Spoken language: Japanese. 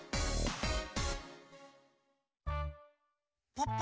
ポッポ。